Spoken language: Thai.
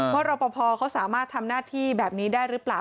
รอปภเขาสามารถทำหน้าที่แบบนี้ได้หรือเปล่า